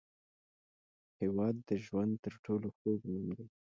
هېواد د ژوند تر ټولو خوږ نوم دی.